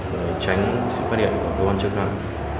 để tránh sự phát hiện của cơ quan chức năng